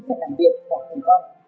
phận nặng biệt hoặc hình ong